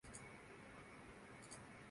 Svetlana مالاخوفا نے کانسی کا تمغہ جیتا